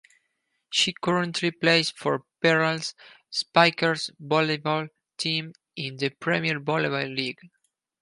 She currently plays for Perlas Spikers volleyball team in the Premier Volleyball League.